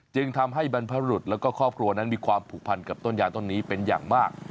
จึงทำให้บรรพบรุษแล้วก็ครอบครัวนั้นมีความผูกพันกับต้นยาต้นนี้เป็นอย่างมาก